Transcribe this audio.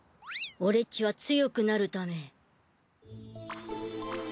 オレっちは強くなるため。